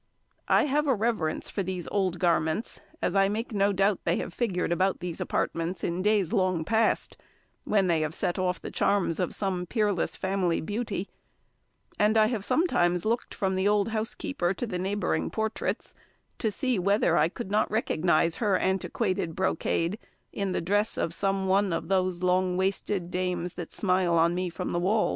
I have a reverence for these old garments, as I make no doubt they have figured about these apartments in days long past, when they have set off the charms of some peerless family beauty; and I have sometimes looked from the old housekeeper to the neighbouring portraits, to see whether I could not recognise her antiquated brocade in the dress of some one of those long waisted dames that smile on me from the walls.